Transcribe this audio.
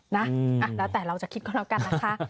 หรือยังไงครับ